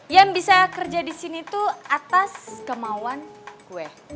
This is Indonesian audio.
yang bisa kerja di sini tuh atas kemauan gue